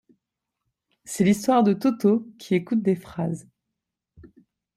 C'est l'histoire de Toto qui écoute des phrases.